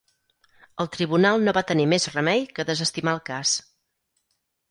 El tribunal no va tenir més remei que desestimar el cas.